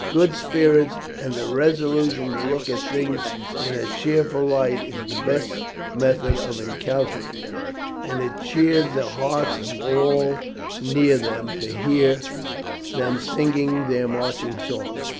Good spirits, and the resolution to look at things in a cheerful light, is the best method of encountering them, and it cheered the hearts of all near them to hear them singing their marching songs.